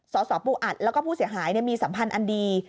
สสปูอัดแล้วก็ผู้เสียหายมีสัมพันธ์อันดี